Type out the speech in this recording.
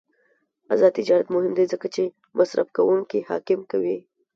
آزاد تجارت مهم دی ځکه چې مصرفکونکي حاکم کوي.